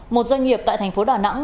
một doanh nghiệp tại tp đà nẵng